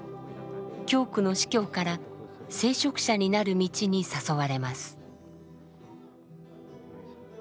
教区の司教から聖職者になる道に誘われます。